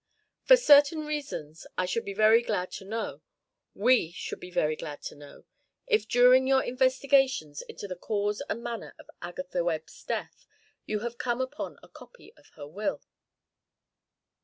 "For certain reasons, I should be very glad to know, WE should be very glad to know, if during your investigations into the cause and manner of Agatha Webb's death, you have come upon a copy of her will."